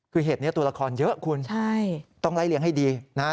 คือเหตุนี้ตัวละครเยอะคุณใช่ต้องไล่เลี้ยงให้ดีนะฮะ